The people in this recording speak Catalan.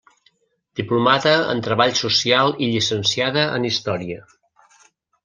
Diplomada en Treball Social i Llicenciada en Història.